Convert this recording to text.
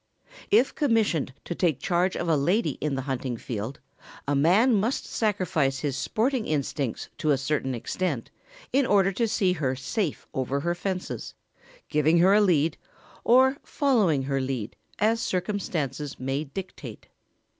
If commissioned to take charge of a lady in the hunting field a man must sacrifice his sporting instincts to a certain extent in order to see her safe over her fences, giving her a lead, or following her lead as circumstances may dictate.